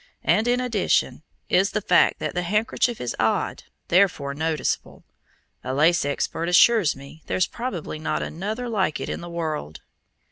And, in addition, is the fact that the handkerchief is odd, therefore noticeable. A lace expert assures me there's probably not another like it in the world."